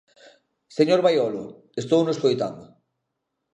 Señor Baiolo, estouno escoitando.